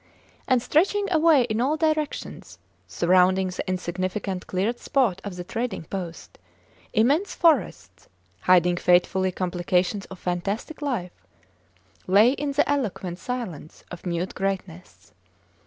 And stretching away in all directions, surrounding the insignificant cleared spot of the trading post, immense forests, hiding fateful complications of fantastic life, lay in the eloquent silence of mute greatness.